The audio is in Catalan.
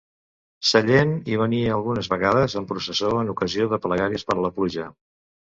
Sallent hi venia algunes vegades en processó en ocasió de pregàries per la pluja.